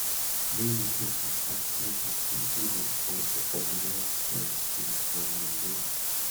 Many campus activities and events are organized by the Student Programming Board.